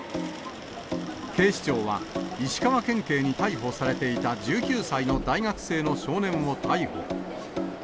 警視庁は、石川県警に逮捕されていた１９歳の大学生の少年を逮捕。